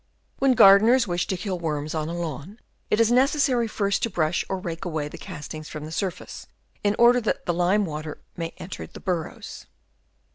When gardeners wish to kill worms on a lawn, it is necessary first to brush or rake away the castings from the surface, in order that the lime water may enter the burrows.